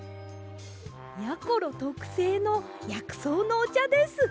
やころとくせいのやくそうのおちゃです。